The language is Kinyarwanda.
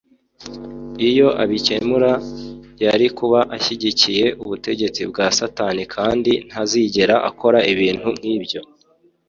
Iyo abikemura yari kuba ashyigikiye ubutegetsi bwa Satani kandi ntazigera akora ibintu nk’ibyo